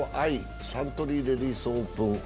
サントリーレディスオープン。